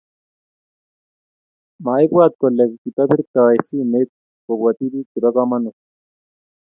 Maibwat kole kitobirei simet kobwotyi bik chebo komonut